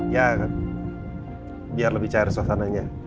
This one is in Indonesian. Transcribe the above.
ya biar lebih cair suasananya